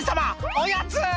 おやつ！」